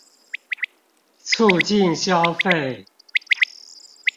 促進消費